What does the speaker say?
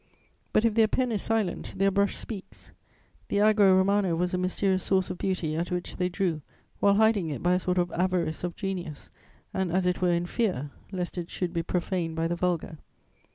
But, if their pen is silent, their brush speaks; the Agro Romano was a mysterious source of beauty, at which they drew, while hiding it by a sort of avarice of genius and as it were in fear, lest it should be profaned by the vulgar.